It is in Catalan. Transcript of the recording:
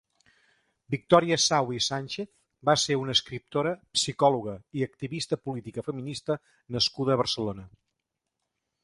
Victòria Sau i Sánchez va ser una escriptora, psicòloga i activista política feminista nascuda a Barcelona.